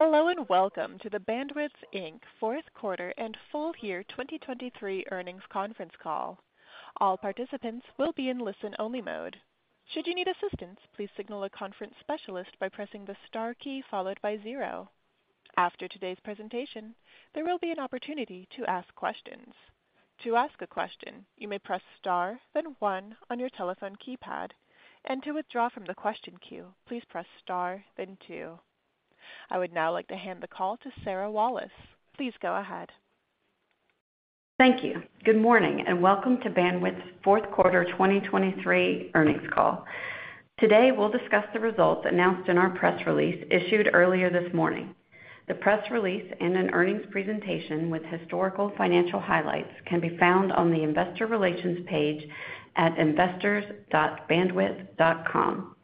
Hello and welcome to the Bandwidth Inc. fourth quarter and full-year 2023 earnings conference call. All participants will be in listen-only mode. Should you need assistance, please signal a conference specialist by pressing the star key followed by 0. After today's presentation, there will be an opportunity to ask questions. To ask a question, you may press star, then one on your telephone keypad, and to withdraw from the question queue, please press star, then two. I would now like to hand the call to Sarah Walas. Please go ahead. Thank you. Good morning and welcome to Bandwidth's fourth quarter 2023 earnings call. Today we'll discuss the results announced in our press release issued earlier this morning. The press release and an earnings presentation with historical financial highlights can be found on the investor relations page at investors.bandwidth.com.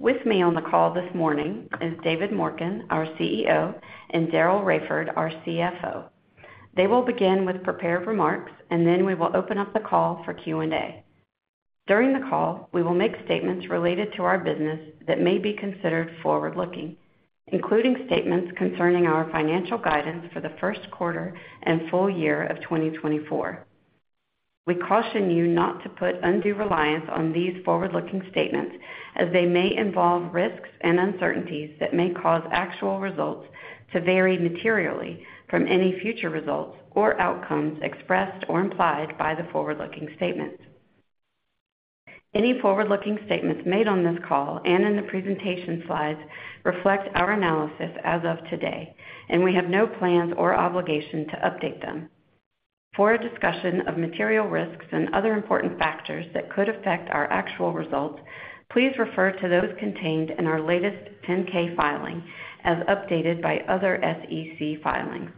With me on the call this morning is David Morken, our CEO, and Daryl Raiford, our CFO. They will begin with prepared remarks, and then we will open up the call for Q&A. During the call, we will make statements related to our business that may be considered forward-looking, including statements concerning our financial guidance for the first quarter and full year of 2024. We caution you not to put undue reliance on these forward-looking statements as they may involve risks and uncertainties that may cause actual results to vary materially from any future results or outcomes expressed or implied by the forward-looking statements. Any forward-looking statements made on this call and in the presentation slides reflect our analysis as of today, and we have no plans or obligation to update them. For a discussion of material risks and other important factors that could affect our actual results, please refer to those contained in our latest 10-K filing as updated by other SEC filings,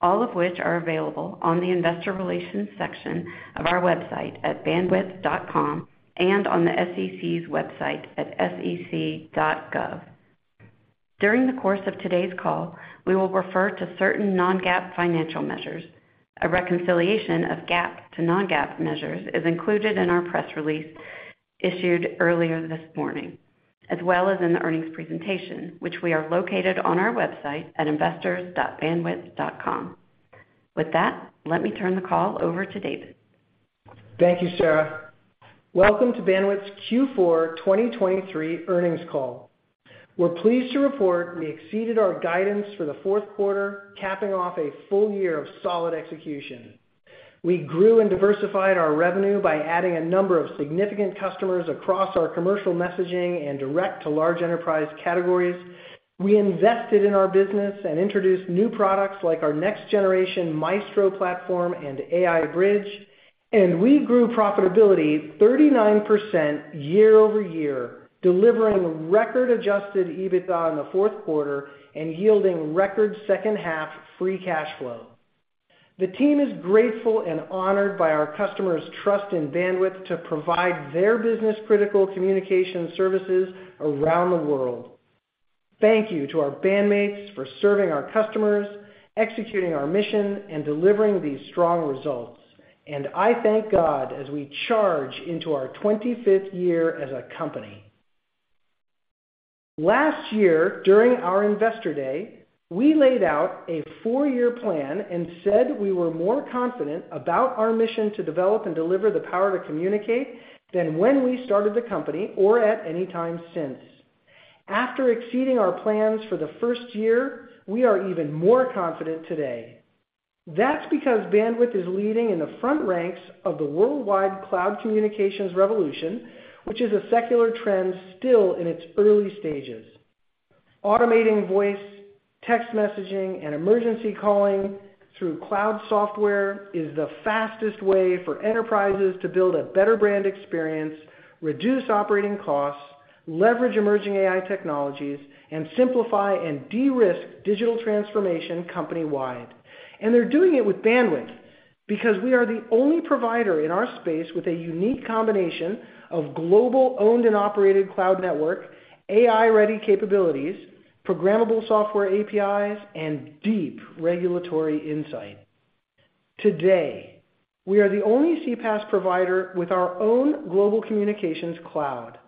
all of which are available on the investor relations section of our website at bandwidth.com and on the SEC's website at sec.gov. During the course of today's call, we will refer to certain non-GAAP financial measures. A reconciliation of GAAP to non-GAAP measures is included in our press release issued earlier this morning, as well as in the earnings presentation, which is located on our website at investors.bandwidth.com. With that, let me turn the call over to David. Thank you, Sarah. Welcome to Bandwidth's Q4 2023 earnings call. We're pleased to report we exceeded our guidance for the fourth quarter, capping off a full year of solid execution. We grew and diversified our revenue by adding a number of significant customers across our commercial messaging and direct-to-large enterprise categories. We invested in our business and introduced new products like our next-generation Maestro platform and AI Bridge, and we grew profitability 39% year-over-year, delivering record-adjusted EBITDA in the fourth quarter and yielding record second-half free cash flow. The team is grateful and honored by our customers' trust in Bandwidth to provide their business-critical communication services around the world. Thank you to our bandmates for serving our customers, executing our mission, and delivering these strong results, and I thank God as we charge into our 25th year as a company. Last year, during our Investor Day, we laid out a four-year plan and said we were more confident about our mission to develop and deliver the power to communicate than when we started the company or at any time since. After exceeding our plans for the first year, we are even more confident today. That's because Bandwidth is leading in the front ranks of the worldwide cloud communications revolution, which is a secular trend still in its early stages. Automating voice, text messaging, and emergency calling through cloud software is the fastest way for enterprises to build a better brand experience, reduce operating costs, leverage emerging AI technologies, and simplify and de-risk digital transformation company-wide. They're doing it with Bandwidth because we are the only provider in our space with a unique combination of global-owned and operated cloud network, AI-ready capabilities, programmable software APIs, and deep regulatory insight. Today, we are the only CPaaS provider with our own global communications cloud.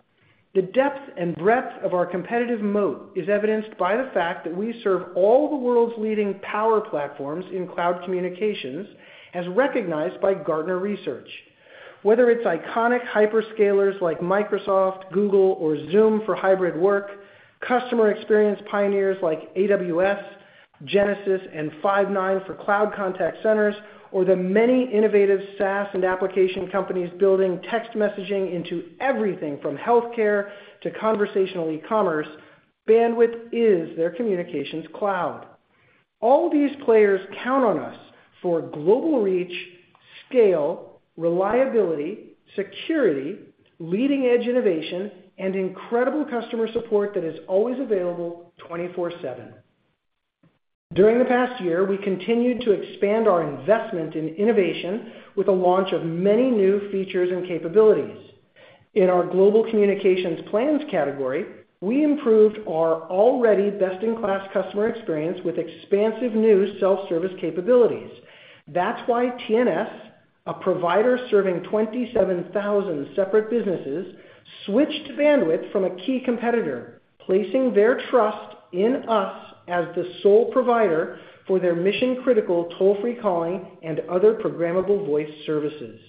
The depth and breadth of our competitive moat is evidenced by the fact that we serve all the world's leading power platforms in cloud communications, as recognized by Gartner Research. Whether it's iconic hyperscalers like Microsoft, Google, or Zoom for hybrid work, customer experience pioneers like AWS, Genesys, and Five9 for cloud contact centers, or the many innovative SaaS and application companies building text messaging into everything from healthcare to conversational e-commerce, Bandwidth is their communications cloud. All these players count on us for global reach, scale, reliability, security, leading-edge innovation, and incredible customer support that is always available 24/7. During the past year, we continued to expand our investment in innovation with the launch of many new features and capabilities. In our Global Communications Plans category, we improved our already best-in-class customer experience with expansive new self-service capabilities. That's why TNS, a provider serving 27,000 separate businesses, switched to Bandwidth from a key competitor, placing their trust in us as the sole provider for their mission-critical toll-free calling and other programmable voice services.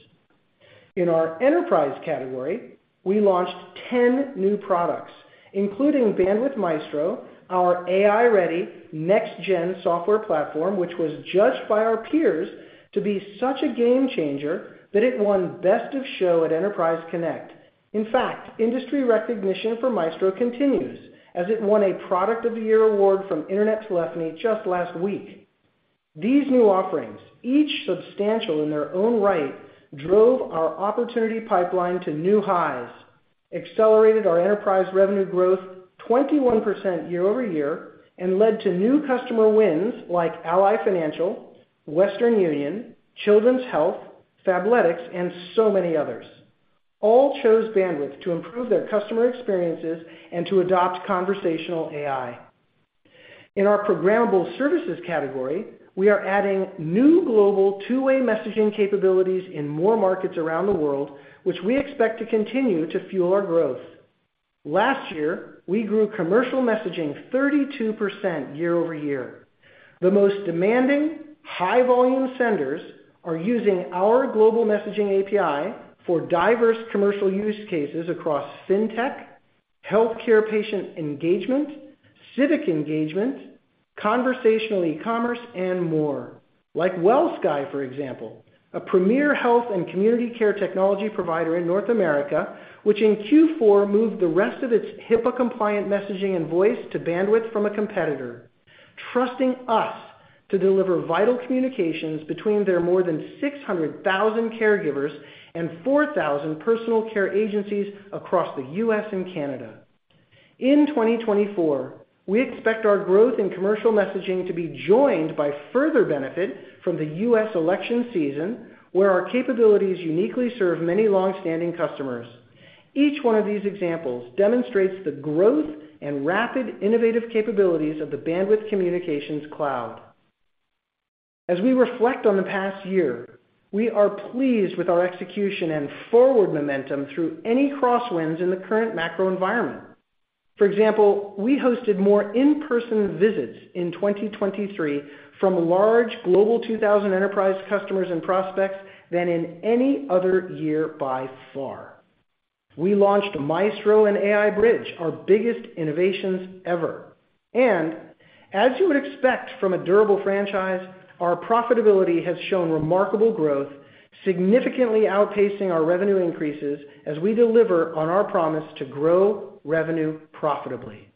In our enterprise category, we launched 10 new products, including Bandwidth Maestro, our AI-ready next-gen software platform, which was judged by our peers to be such a game-changer that it won Best of Show at Enterprise Connect. In fact, industry recognition for Maestro continues as it won a Product of the Year award from Internet Telephony just last week. These new offerings, each substantial in their own right, drove our opportunity pipeline to new highs, accelerated our enterprise revenue growth 21% year-over-year, and led to new customer wins like Ally Financial, Western Union, Children's Health, Fabletics, and so many others. All chose Bandwidth to improve their customer experiences and to adopt conversational AI. In our Programmable Services category, we are adding new global two-way messaging capabilities in more markets around the world, which we expect to continue to fuel our growth. Last year, we grew commercial messaging 32% year-over-year. The most demanding, high-volume senders are using our global messaging API for diverse commercial use cases across fintech, healthcare patient engagement, civic engagement, conversational e-commerce, and more. Like WellSky, for example, a premier health and community care technology provider in North America, which in Q4 moved the rest of its HIPAA-compliant messaging and voice to Bandwidth from a competitor, trusting us to deliver vital communications between their more than 600,000 caregivers and 4,000 personal care agencies across the U.S. and Canada. In 2024, we expect our growth in commercial messaging to be joined by further benefit from the U.S. election season, where our capabilities uniquely serve many longstanding customers. Each one of these examples demonstrates the growth and rapid innovative capabilities of the Bandwidth Communications Cloud. As we reflect on the past year, we are pleased with our execution and forward momentum through any crosswinds in the current macro environment. For example, we hosted more in-person visits in 2023 from large Global 2000 enterprise customers and prospects than in any other year by far. We launched Maestro and AI Bridge, our biggest innovations ever. As you would expect from a durable franchise, our profitability has shown remarkable growth, significantly outpacing our revenue increases as we deliver on our promise to grow revenue profitably.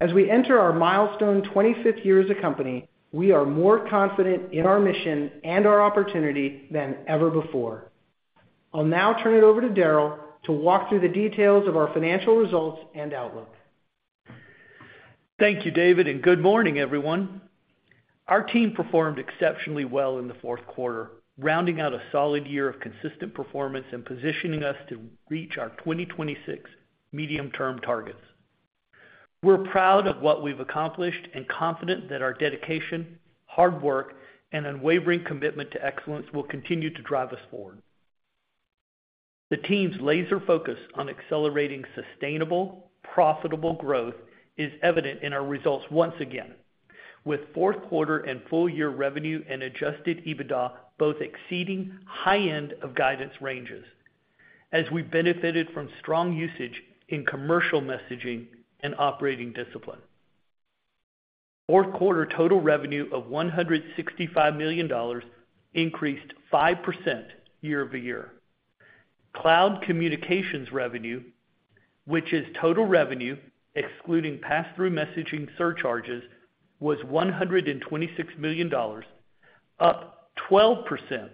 As we enter our milestone 25th year as a company, we are more confident in our mission and our opportunity than ever before. I'll now turn it over to Daryl to walk through the details of our financial results and outlook. Thank you, David, and good morning, everyone. Our team performed exceptionally well in the fourth quarter, rounding out a solid year of consistent performance and positioning us to reach our 2026 medium-term targets. We're proud of what we've accomplished and confident that our dedication, hard work, and unwavering commitment to excellence will continue to drive us forward. The team's laser focus on accelerating sustainable, profitable growth is evident in our results once again, with fourth quarter and full-year revenue and adjusted EBITDA both exceeding high-end of guidance ranges as we've benefited from strong usage in commercial messaging and operating discipline. Fourth quarter total revenue of $165 million increased 5% year-over-year. Cloud communications revenue, which is total revenue excluding pass-through messaging surcharges, was $126 million, up 12%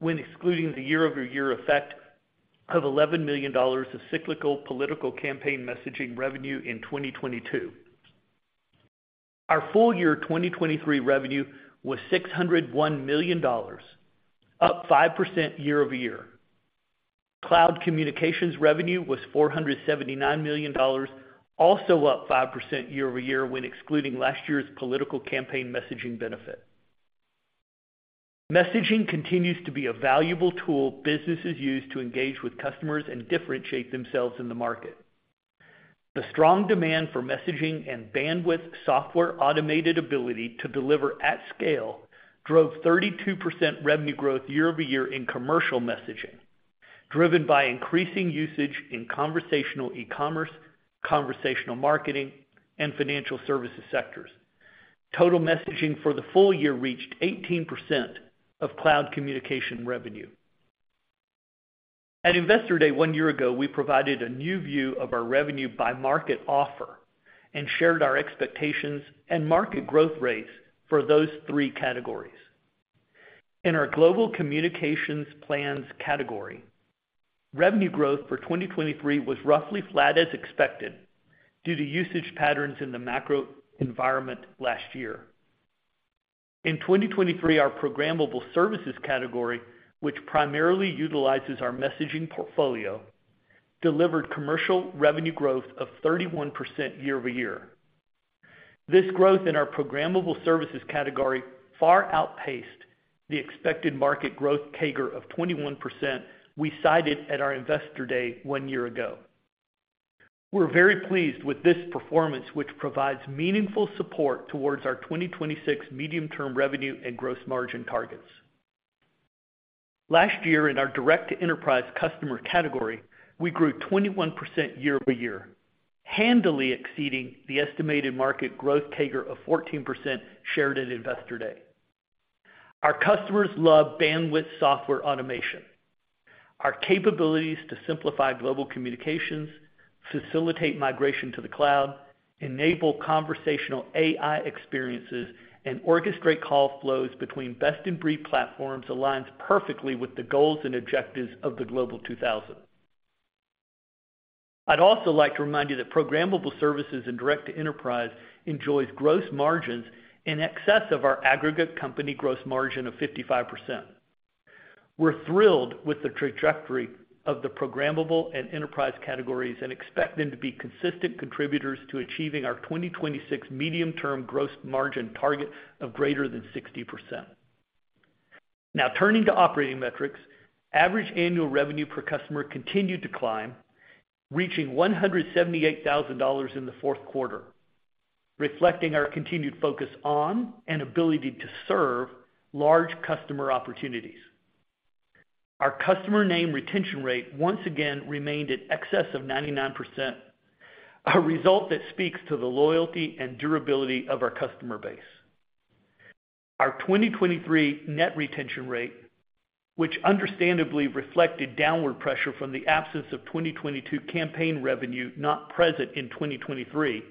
when excluding the year-over-year effect of $11 million of cyclical political campaign messaging revenue in 2022. Our full-year 2023 revenue was $601 million, up 5% year-over-year. Cloud communications revenue was $479 million, also up 5% year-over-year when excluding last year's political campaign messaging benefit. Messaging continues to be a valuable tool businesses use to engage with customers and differentiate themselves in the market. The strong demand for messaging and Bandwidth software automated ability to deliver at scale drove 32% revenue growth year-over-year in commercial messaging, driven by increasing usage in conversational e-commerce, conversational marketing, and financial services sectors. Total messaging for the full year reached 18% of cloud communications revenue. At Investor Day one year ago, we provided a new view of our revenue-by-market offer and shared our expectations and market growth rates for those three categories. In our Global Communications Plans category, revenue growth for 2023 was roughly flat as expected due to usage patterns in the macro environment last year. In 2023, our Programmable Services category, which primarily utilizes our messaging portfolio, delivered commercial revenue growth of 31% year-over-year. This growth in our Programmable Services category far outpaced the expected market growth CAGR of 21% we cited at our Investor Day one year ago. We're very pleased with this performance, which provides meaningful support towards our 2026 medium-term revenue and gross margin targets. Last year, in our Direct-to-Enterprise customer category, we grew 21% year-over-year, handily exceeding the estimated market growth CAGR of 14% shared at Investor Day. Our customers love Bandwidth software automation. Our capabilities to simplify global communications, facilitate migration to the cloud, enable conversational AI experiences, and orchestrate call flows between best-in-breed platforms align perfectly with the goals and objectives of the Global 2000. I'd also like to remind you that Programmable Services and Direct-to-Enterprise enjoys gross margins in excess of our aggregate company gross margin of 55%. We're thrilled with the trajectory of the Programmable and enterprise categories and expect them to be consistent contributors to achieving our 2026 medium-term gross margin target of greater than 60%. Now, turning to operating metrics, average annual revenue per customer continued to climb, reaching $178,000 in the fourth quarter, reflecting our continued focus on and ability to serve large customer opportunities. Our Customer Name Retention Rate once again remained in excess of 99%, a result that speaks to the loyalty and durability of our customer base. Our 2023 Net Retention Rate, which understandably reflected downward pressure from the absence of 2022 campaign revenue not present in 2023,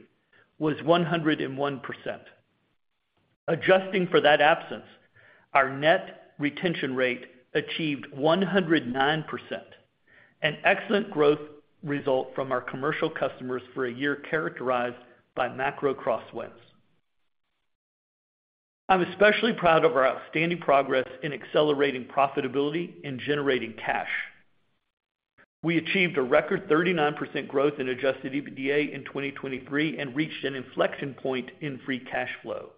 was 101%. Adjusting for that absence, our Net Retention Rate achieved 109%, an excellent growth result from our commercial customers for a year characterized by macro crosswinds. I'm especially proud of our outstanding progress in accelerating profitability and generating cash. We achieved a record 39% growth in adjusted EBITDA in 2023 and reached an inflection point in free cash flow,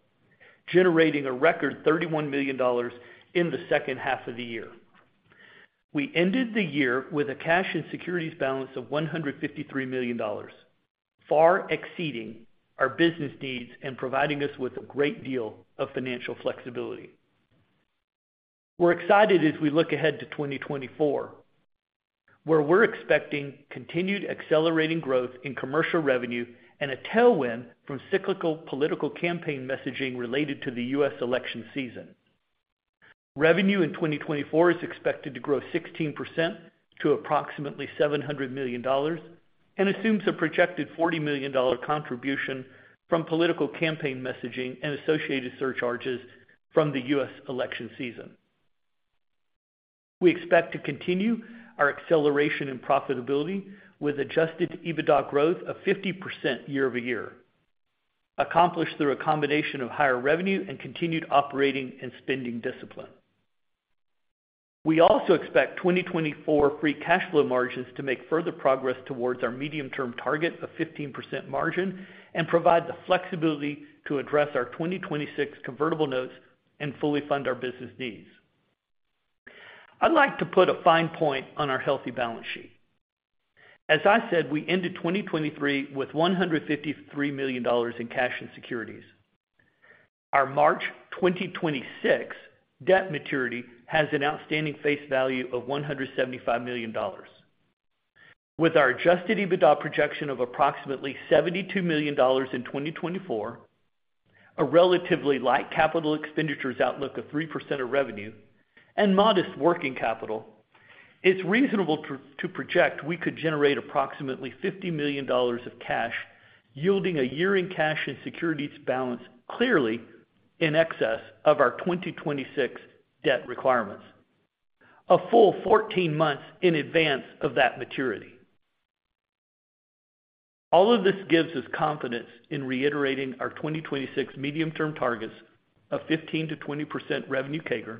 generating a record $31 million in the second half of the year. We ended the year with a cash and securities balance of $153 million, far exceeding our business needs and providing us with a great deal of financial flexibility. We're excited as we look ahead to 2024, where we're expecting continued accelerating growth in commercial revenue and a tailwind from cyclical political campaign messaging related to the U.S. election season. Revenue in 2024 is expected to grow 16% to approximately $700 million and assumes a projected $40 million contribution from political campaign messaging and associated surcharges from the U.S. election season. We expect to continue our acceleration in profitability with adjusted EBITDA growth of 50% year-over-year, accomplished through a combination of higher revenue and continued operating and spending discipline. We also expect 2024 free cash flow margins to make further progress towards our medium-term target of 15% margin and provide the flexibility to address our 2026 convertible notes and fully fund our business needs. I'd like to put a fine point on our healthy balance sheet. As I said, we ended 2023 with $153 million in cash and securities. Our March 2026 debt maturity has an outstanding face value of $175 million. With our adjusted EBITDA projection of approximately $72 million in 2024, a relatively light capital expenditures outlook of 3% of revenue, and modest working capital, it's reasonable to project we could generate approximately $50 million of cash, yielding a year in cash and securities balance clearly in excess of our 2026 debt requirements, a full 14 months in advance of that maturity. All of this gives us confidence in reiterating our 2026 medium-term targets of 15%-20% revenue CAGR,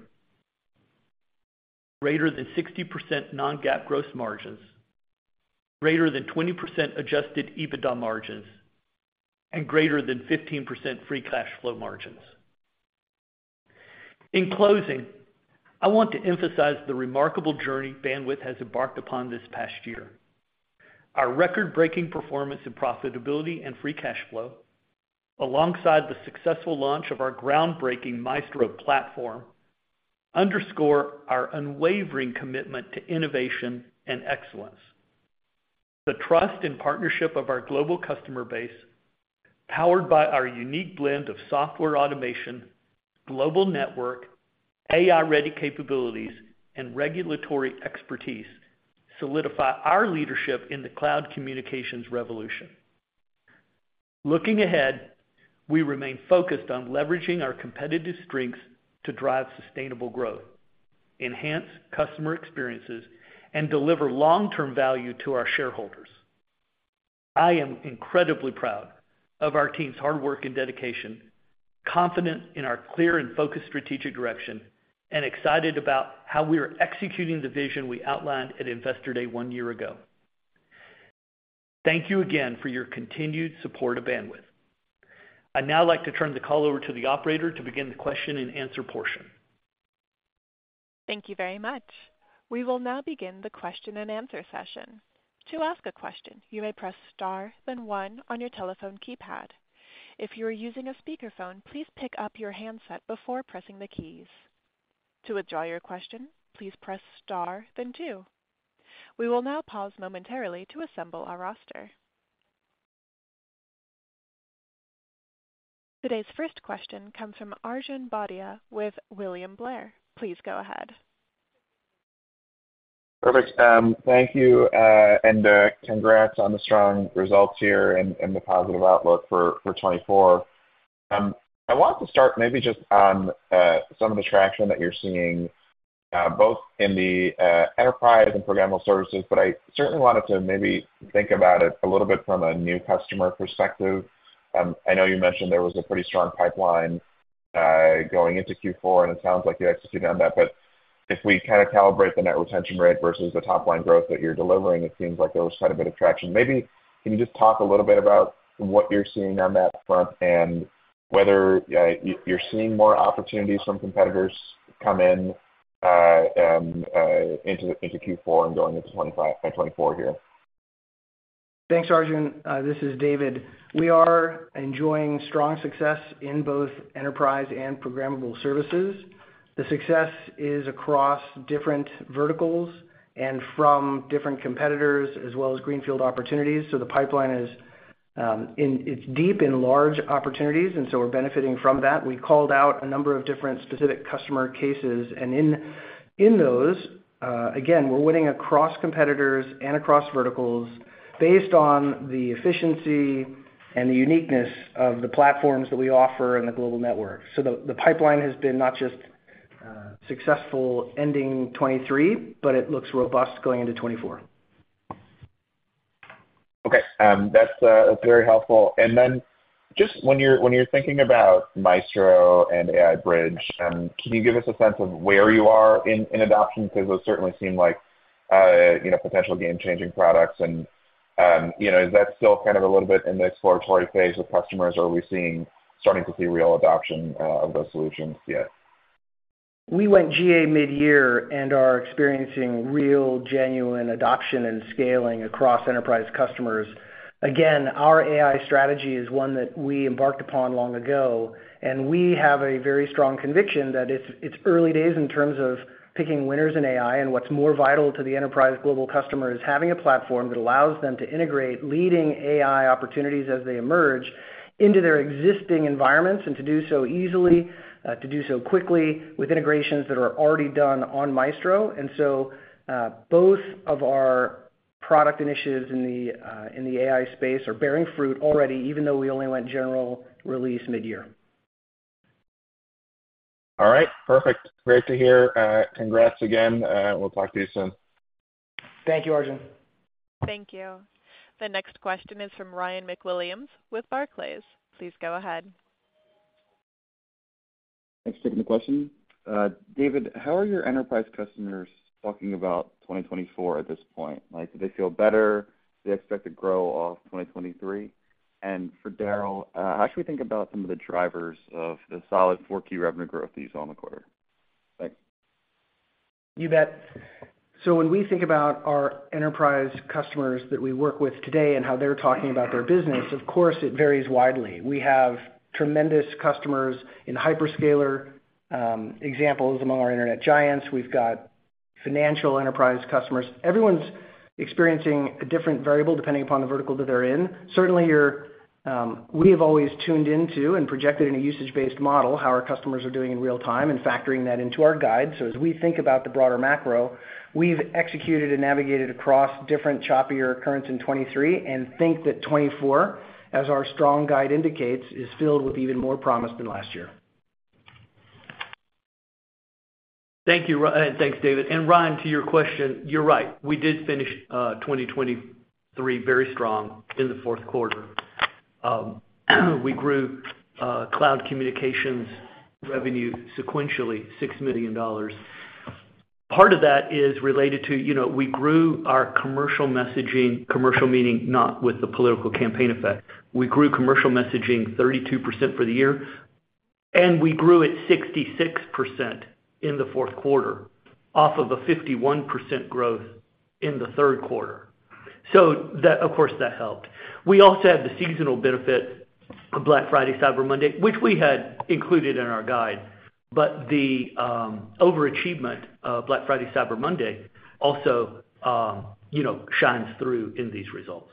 greater than 60% non-GAAP gross margins, greater than 20% adjusted EBITDA margins, and greater than 15% free cash flow margins. In closing, I want to emphasize the remarkable journey Bandwidth has embarked upon this past year. Our record-breaking performance in profitability and free cash flow, alongside the successful launch of our groundbreaking Maestro platform, underscore our unwavering commitment to innovation and excellence. The trust and partnership of our global customer base, powered by our unique blend of software automation, global network, AI-ready capabilities, and regulatory expertise, solidify our leadership in the cloud communications revolution. Looking ahead, we remain focused on leveraging our competitive strengths to drive sustainable growth, enhance customer experiences, and deliver long-term value to our shareholders. I am incredibly proud of our team's hard work and dedication, confident in our clear and focused strategic direction, and excited about how we are executing the vision we outlined at Investor Day one year ago. Thank you again for your continued support of Bandwidth. I'd now like to turn the call over to the operator to begin the question-and-answer portion. Thank you very much. We will now begin the question-and-answer session. To ask a question, you may press star, then one on your telephone keypad. If you are using a speakerphone, please pick up your handset before pressing the keys. To withdraw your question, please press star, then two. We will now pause momentarily to assemble our roster. Today's first question comes from Arjun Bhatia with William Blair. Please go ahead. Perfect. Thank you, and congrats on the strong results here and the positive outlook for 2024. I want to start maybe just on some of the traction that you're seeing both in the enterprise and Programmable Services, but I certainly wanted to maybe think about it a little bit from a new customer perspective. I know you mentioned there was a pretty strong pipeline going into Q4, and it sounds like you executed on that. But if we kind of calibrate the Net Retention Rate versus the top-line growth that you're delivering, it seems like there was quite a bit of traction. Maybe can you just talk a little bit about what you're seeing on that front and whether you're seeing more opportunities from competitors come into Q4 and going into 2024 here? Thanks, Arjun. This is David. We are enjoying strong success in both enterprise and Programmable Services. The success is across different verticals and from different competitors as well as greenfield opportunities. So the pipeline is deep in large opportunities, and so we're benefiting from that. We called out a number of different specific customer cases. And in those, again, we're winning across competitors and across verticals based on the efficiency and the uniqueness of the platforms that we offer and the global network. So the pipeline has been not just successful ending 2023, but it looks robust going into 2024. Okay. That's very helpful. And then just when you're thinking about Maestro and AI Bridge, can you give us a sense of where you are in adoption? Because those certainly seem like potential game-changing products. And is that still kind of a little bit in the exploratory phase with customers, or are we starting to see real adoption of those solutions yet? We went GA mid-year and are experiencing real, genuine adoption and scaling across enterprise customers. Again, our AI strategy is one that we embarked upon long ago, and we have a very strong conviction that it's early days in terms of picking winners in AI. And what's more vital to the enterprise global customer is having a platform that allows them to integrate leading AI opportunities as they emerge into their existing environments and to do so easily, to do so quickly with integrations that are already done on Maestro. And so both of our product initiatives in the AI space are bearing fruit already, even though we only went general release mid-year. All right. Perfect. Great to hear. Congrats again. We'll talk to you soon. Thank you, Arjun. Thank you. The next question is from Ryan McWilliams with Barclays. Please go ahead. Thanks for taking the question. David, how are your enterprise customers talking about 2024 at this point? Do they feel better? Do they expect to grow off 2023? And for Daryl, how should we think about some of the drivers of the solid 4Q revenue growth that you saw in the quarter? Thanks. You bet. So when we think about our enterprise customers that we work with today and how they're talking about their business, of course, it varies widely. We have tremendous customers in hyperscaler examples among our internet giants. We've got financial enterprise customers. Everyone's experiencing a different variable depending upon the vertical that they're in. Certainly, we have always tuned into and projected in a usage-based model how our customers are doing in real time and factoring that into our guide. So as we think about the broader macro, we've executed and navigated across different choppier currents in 2023 and think that 2024, as our strong guide indicates, is filled with even more promise than last year. Thank you. And thanks, David. And Ryan, to your question, you're right. We did finish 2023 very strong in the fourth quarter. We grew cloud communications revenue sequentially $6 million. Part of that is related to we grew our commercial messaging commercial meaning not with the political campaign effect. We grew commercial messaging 32% for the year, and we grew it 66% in the fourth quarter off of a 51% growth in the third quarter. So of course, that helped. We also had the seasonal benefit of Black Friday Cyber Monday, which we had included in our guide. But the overachievement of Black Friday Cyber Monday also shines through in these results.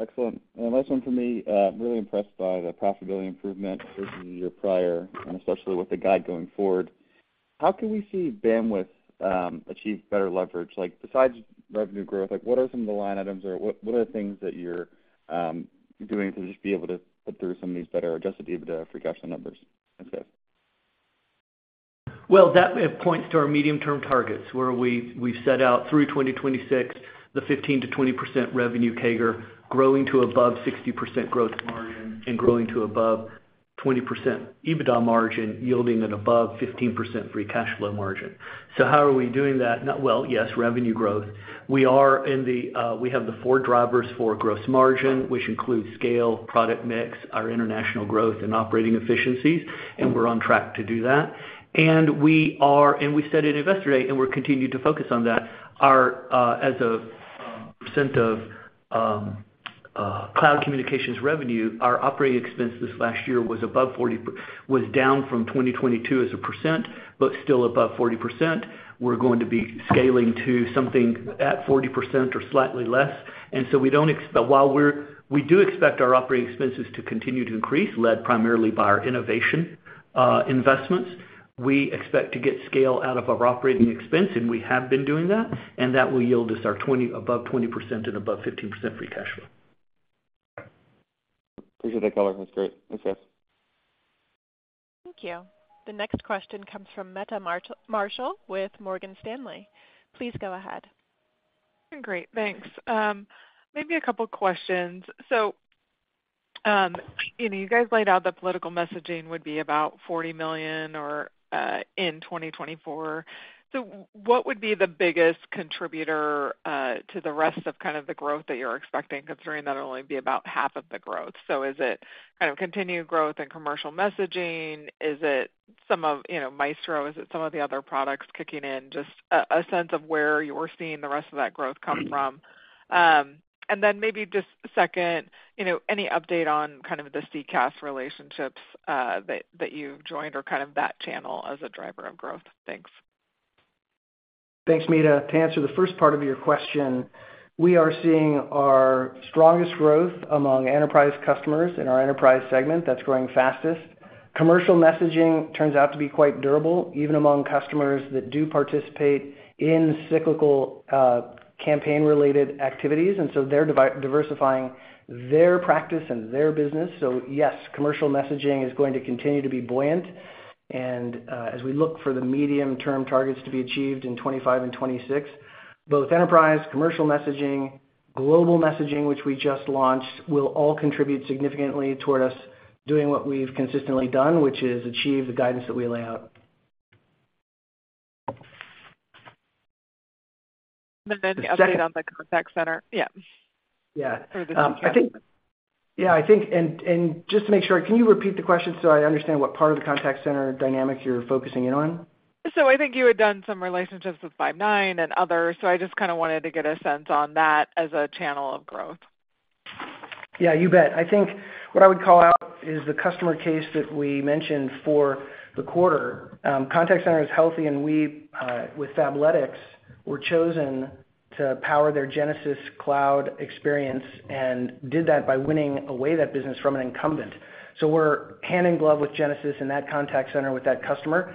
Excellent. Last one from me. Really impressed by the profitability improvement versus your prior, and especially with the guide going forward. How can we see Bandwidth achieve better leverage? Besides revenue growth, what are some of the line items or what are the things that you're doing to just be able to put through some of these better adjusted EBITDA, Free Cash Flow numbers in this case? Well, that points to our medium-term targets, where we've set out through 2026, the 15%-20% revenue CAGR, growing to above 60% growth margin, and growing to above 20% EBITDA margin, yielding an above 15% free cash flow margin. So how are we doing that? Well, yes, revenue growth. We have the four drivers for gross margin, which include scale, product mix, our international growth, and operating efficiencies. We're on track to do that. We said it Investor Day, and we're continuing to focus on that. As a percent of cloud communications revenue, our operating expense this last year was down from 2022 as a percent but still above 40%. We're going to be scaling to something at 40% or slightly less. So while we do expect our operating expenses to continue to increase, led primarily by our innovation investments, we expect to get scale out of our operating expense, and we have been doing that. That will yield us above 20% and above 15% free cash flow. Appreciate that color. That's great. Thanks, guys. Thank you. The next question comes from Meta Marshall with Morgan Stanley. Please go ahead. Great. Thanks. Maybe a couple of questions. So you guys laid out the political messaging would be about $40 million in 2024. So what would be the biggest contributor to the rest of kind of the growth that you're expecting, considering that'll only be about half of the growth? So is it kind of continued growth in commercial messaging? Is it some of Maestro? Is it some of the other products kicking in? Just a sense of where you're seeing the rest of that growth come from. And then maybe just second, any update on kind of the CCaaS relationships that you've joined or kind of that channel as a driver of growth? Thanks. Thanks, Meta. To answer the first part of your question, we are seeing our strongest growth among enterprise customers in our enterprise segment. That's growing fastest. Commercial messaging turns out to be quite durable, even among customers that do participate in cyclical campaign-related activities. And so they're diversifying their practice and their business. So yes, commercial messaging is going to continue to be buoyant. And as we look for the medium-term targets to be achieved in 2025 and 2026, both enterprise, commercial messaging, global messaging, which we just launched, will all contribute significantly toward us doing what we've consistently done, which is achieve the guidance that we lay out. And then any update on the contact center? Yeah. Or the CCaaS? Yeah. Yeah. And just to make sure, can you repeat the question so I understand what part of the contact center dynamic you're focusing in on? So I think you had done some relationships with Five9 and others. So I just kind of wanted to get a sense on that as a channel of growth. Yeah, you bet. I think what I would call out is the customer case that we mentioned for the quarter. Contact center is healthy, and we with Fabletics were chosen to power their Genesys cloud experience and did that by winning away that business from an incumbent. So we're hand in glove with Genesys in that contact center with that customer,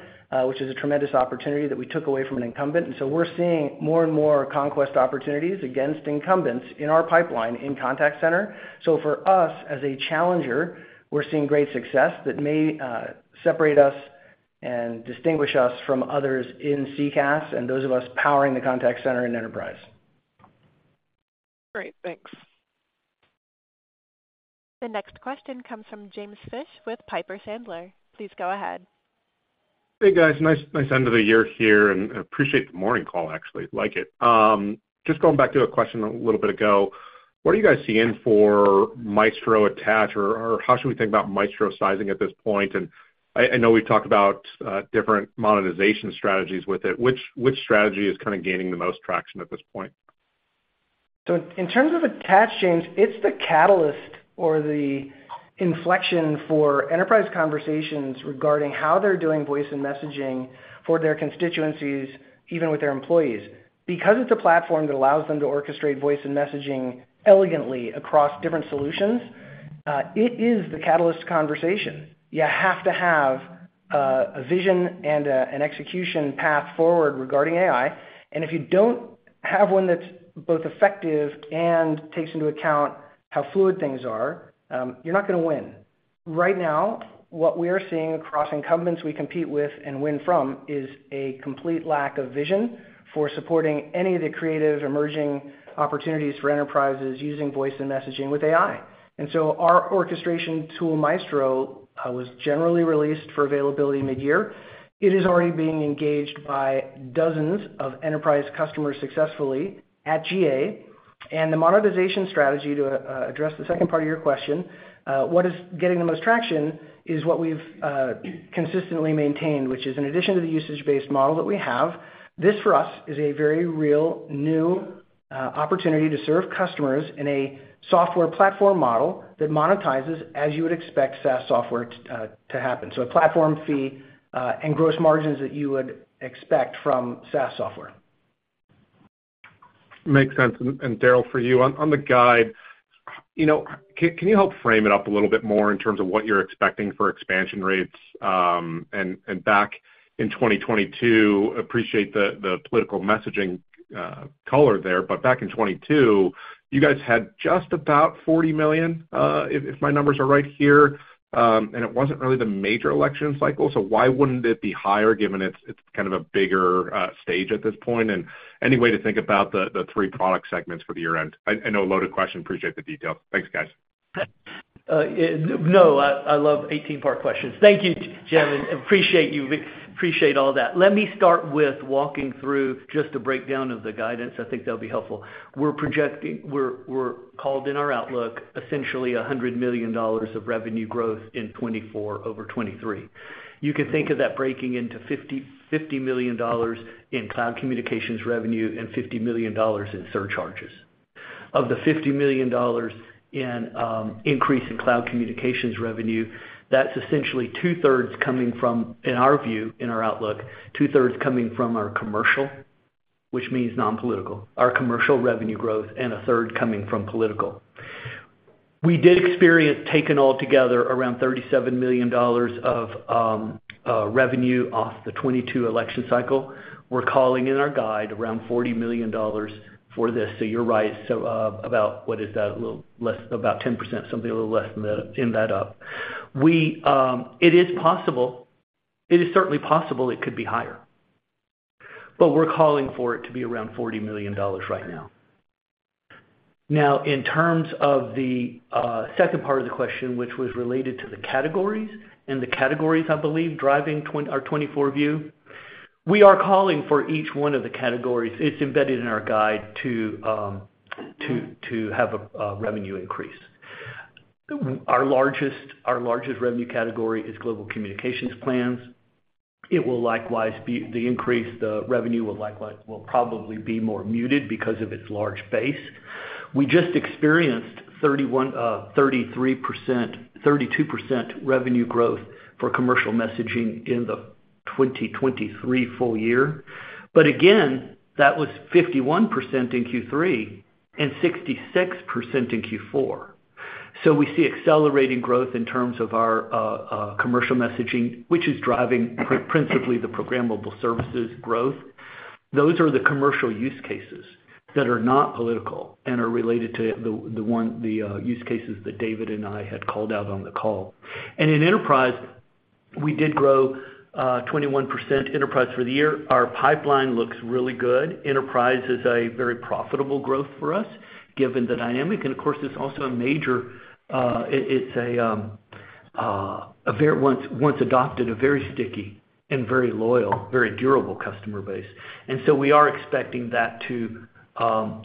which is a tremendous opportunity that we took away from an incumbent. And so we're seeing more and more conquest opportunities against incumbents in our pipeline in contact center. So for us, as a challenger, we're seeing great success that may separate us and distinguish us from others in CCaaS and those of us powering the contact center in enterprise. Great. Thanks. The next question comes from James Fish with Piper Sandler. Please go ahead. Hey, guys. Nice end of the year here, and appreciate the morning call, actually. Like it. Just going back to a question a little bit ago, what are you guys seeing for Maestro attached, or how should we think about Maestro sizing at this point? And I know we've talked about different monetization strategies with it. Which strategy is kind of gaining the most traction at this point? So in terms of attached, James, it's the catalyst or the inflection for enterprise conversations regarding how they're doing voice and messaging for their constituencies, even with their employees. Because it's a platform that allows them to orchestrate voice and messaging elegantly across different solutions, it is the catalyst to conversation. You have to have a vision and an execution path forward regarding AI. And if you don't have one that's both effective and takes into account how fluid things are, you're not going to win. Right now, what we are seeing across incumbents we compete with and win from is a complete lack of vision for supporting any of the creative emerging opportunities for enterprises using voice and messaging with AI. And so our orchestration tool, Maestro, was generally released for availability mid-year. It is already being engaged by dozens of enterprise customers successfully at GA. The monetization strategy to address the second part of your question, what is getting the most traction is what we've consistently maintained, which is in addition to the usage-based model that we have, this for us is a very real new opportunity to serve customers in a software platform model that monetizes as you would expect SaaS software to happen. So a platform fee and gross margins that you would expect from SaaS software. Makes sense. And Daryl, for you, on the guide, can you help frame it up a little bit more in terms of what you're expecting for expansion rates? And back in 2022, appreciate the political messaging color there. But back in 2022, you guys had just about $40 million, if my numbers are right here. And it wasn't really the major election cycle. So why wouldn't it be higher given it's kind of a bigger stage at this point? And any way to think about the three product segments for the year-end? I know a loaded question. Appreciate the details. Thanks, guys. No. I love 18-part questions. Thank you, James. Appreciate all that. Let me start with walking through just a breakdown of the guidance. I think that'll be helpful. We're called in our outlook, essentially, $100 million of revenue growth in 2024 over 2023. You can think of that breaking into $50 million in cloud communications revenue and $50 million in surcharges. Of the $50 million in increase in cloud communications revenue, that's essentially two-thirds coming from, in our view, in our outlook, two-thirds coming from our commercial, which means non-political, our commercial revenue growth, and a third coming from political. We did experience, taken altogether, around $37 million of revenue off the 2022 election cycle. We're calling in our guide around $40 million for this. So you're right. So about what is that? A little less, about 10%, something a little less than that in that up. It is certainly possible it could be higher. But we're calling for it to be around $40 million right now. Now, in terms of the second part of the question, which was related to the categories and the categories, I believe, driving our 2024 view, we are calling for each one of the categories. It's embedded in our guide to have a revenue increase. Our largest revenue category is Global Communications Plans. The increase, the revenue will probably be more muted because of its large base. We just experienced 33%, 32% revenue growth for commercial messaging in the 2023 full year. But again, that was 51% in Q3 and 66% in Q4. So we see accelerating growth in terms of our commercial messaging, which is driving principally the programmable services growth. Those are the commercial use cases that are not political and are related to the use cases that David and I had called out on the call. In enterprise, we did grow 21% enterprise for the year. Our pipeline looks really good. Enterprise is a very profitable growth for us given the dynamic. And of course, it's also a major, once adopted, a very sticky and very loyal, very durable customer base. And so we are expecting that to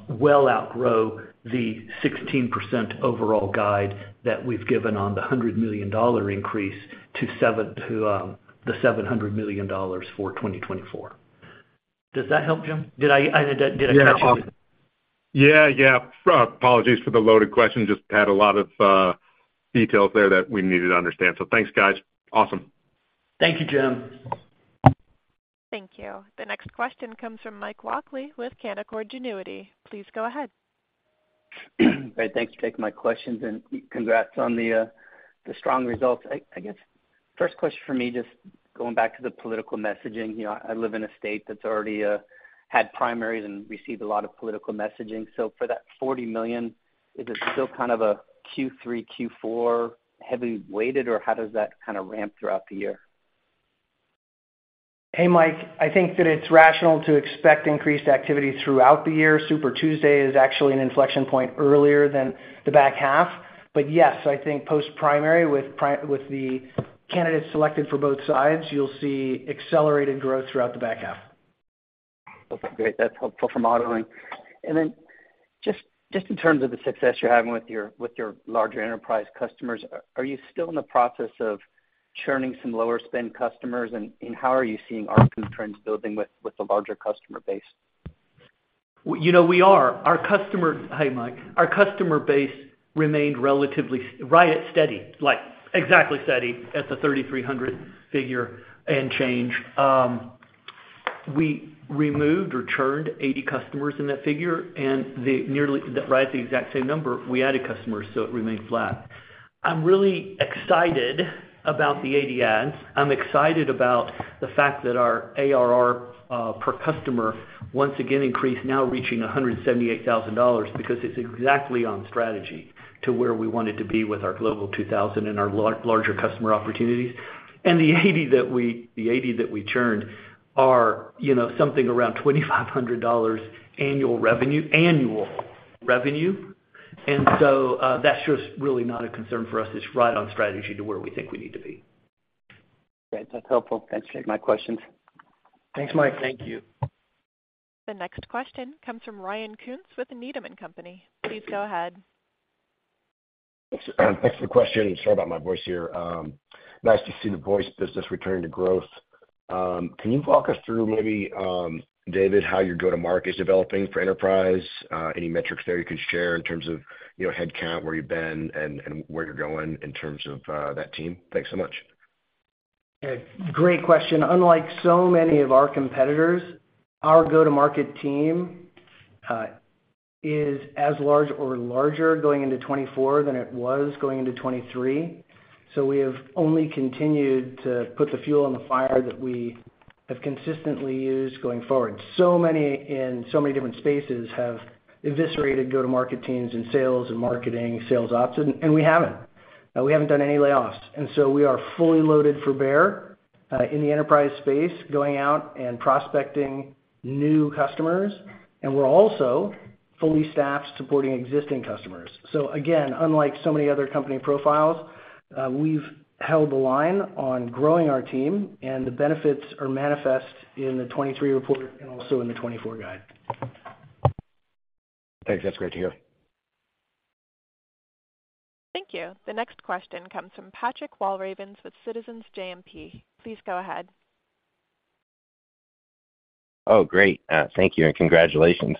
well outgrow the 16% overall guide that we've given on the $100 million increase to the $700 million for 2024. Does that help, Jim? Did I catch you? Yeah. Yeah. Apologies for the loaded question. Just had a lot of details there that we needed to understand. So thanks, guys. Awesome. Thank you, James. Thank you. The next question comes from Mike Walkley with Canaccord Genuity. Please go ahead. Great. Thanks for taking my questions, and congrats on the strong results. I guess first question for me, just going back to the political messaging. I live in a state that's already had primaries and received a lot of political messaging. So for that 40 million, is it still kind of a Q3, Q4 heavily weighted, or how does that kind of ramp throughout the year? Hey, Mike. I think that it's rational to expect increased activity throughout the year. Super Tuesday is actually an inflection point earlier than the back half. But yes, I think post-primary, with the candidates selected for both sides, you'll see accelerated growth throughout the back half. Okay. Great. That's helpful for modeling. And then just in terms of the success you're having with your larger enterprise customers, are you still in the process of churning some lower-spend customers? And how are you seeing R2 trends building with the larger customer base? We are. Hey, Mike. Our customer base remained relatively steady, right at steady, exactly steady at the 3,300 figure and change. We removed or churned 80 customers in that figure. Right at the exact same number, we added customers, so it remained flat. I'm really excited about the 80 adds. I'm excited about the fact that our ARR per customer, once again, increased, now reaching $178,000 because it's exactly on strategy to where we wanted to be with our global 2,000 and our larger customer opportunities. And the 80 that we churned are something around $2,500 annual revenue. And so that's just really not a concern for us. It's right on strategy to where we think we need to be. Great. That's helpful. Thanks. Thank you, Mike. Thank you. The next question comes from Ryan Koontz with Needham & Company. Please go ahead. Thanks for the question. Sorry about my voice here. Nice to see the voice business returning to growth. Can you walk us through, maybe, David, how your go-to-market is developing for enterprise? Any metrics there you could share in terms of headcount, where you've been, and where you're going in terms of that team? Thanks so much. Great question. Unlike so many of our competitors, our go-to-market team is as large or larger going into 2024 than it was going into 2023. So we have only continued to put the fuel on the fire that we have consistently used going forward. So many in so many different spaces have eviscerated go-to-market teams in sales and marketing, sales ops, and we haven't. We haven't done any layoffs. And so we are fully loaded for bear in the enterprise space, going out and prospecting new customers. And we're also fully staffed supporting existing customers. So again, unlike so many other company profiles, we've held the line on growing our team, and the benefits are manifest in the 2023 report and also in the 2024 guide. Thanks. That's great to hear. Thank you. The next question comes from Patrick Walravens with Citizens JMP. Please go ahead. Oh, great. Thank you and congratulations.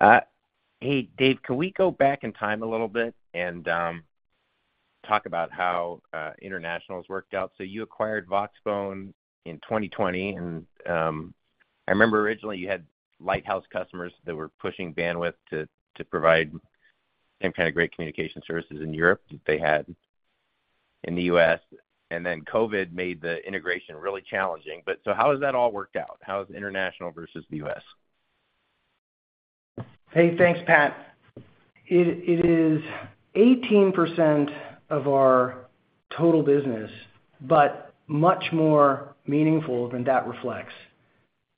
Hey, Dave, can we go back in time a little bit and talk about how international has worked out? So you acquired Voxbone in 2020. And I remember originally, you had Lighthouse customers that were pushing Bandwidth to provide same kind of great communication services in Europe that they had in the U.S. And then COVID made the integration really challenging. So how has that all worked out? How is international versus the U.S.? Hey, thanks, Pat. It is 18% of our total business, but much more meaningful than that reflects.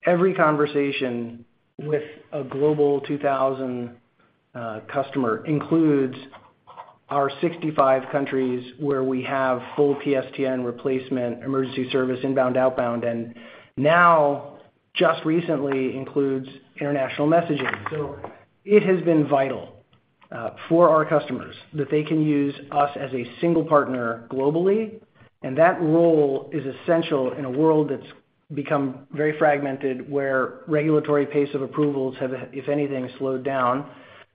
Every conversation with a global 2,000 customer includes our 65 countries where we have full PSTN replacement, emergency service, inbound, outbound, and now, just recently, includes international messaging. So it has been vital for our customers that they can use us as a single partner globally. That role is essential in a world that's become very fragmented, where regulatory pace of approvals have, if anything, slowed down.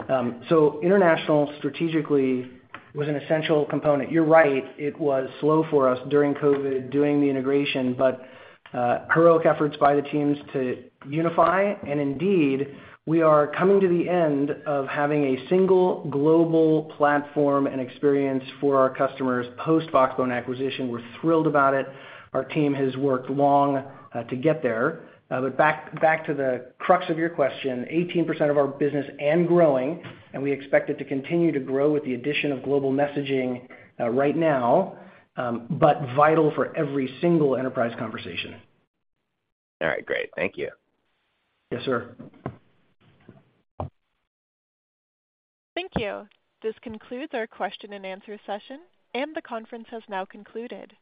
International, strategically, was an essential component. You're right. It was slow for us during COVID doing the integration, but heroic efforts by the teams to unify. Indeed, we are coming to the end of having a single global platform and experience for our customers post-Voxbone acquisition. We're thrilled about it. Our team has worked long to get there. But back to the crux of your question, 18% of our business and growing, and we expect it to continue to grow with the addition of global messaging right now, but vital for every single enterprise conversation. All right. Great. Thank you. Yes, sir. Thank you. This concludes our question-and-answer session, and the conference has now concluded.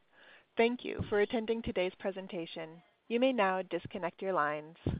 Thank you for attending today's presentation. You may now disconnect your lines.